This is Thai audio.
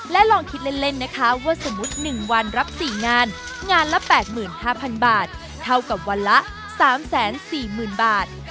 ลองคิดเล่นนะคะว่าสมมุติ๑วันรับ๔งานงานละ๘๕๐๐๐บาทเท่ากับวันละ๓๔๐๐๐บาท